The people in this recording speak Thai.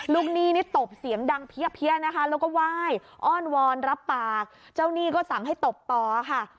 หนี้นี่ตบเสียงดังเพี้ยนะคะแล้วก็ไหว้อ้อนวอนรับปากเจ้าหนี้ก็สั่งให้ตบต่อค่ะ